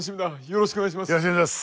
よろしくお願いします。